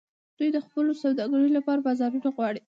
دوی د خپلو سوداګرو لپاره بازارونه غواړي